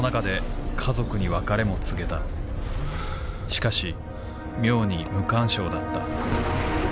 しかし妙に無感傷だった。